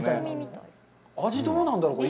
味どうなんだろう。